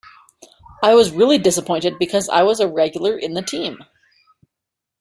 I was really disappointed because I was a regular in the team.